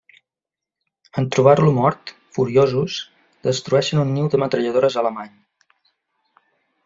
En trobar-lo mort, furiosos, destrueixen un niu de metralladores alemany.